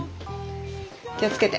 気を付けて。